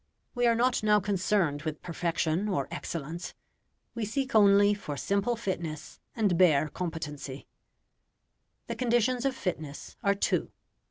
We are not now concerned with perfection or excellence; we seek only for simple fitness and bare competency. The conditions of fitness are two.